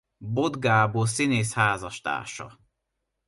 Bot Gábor színész házastársa.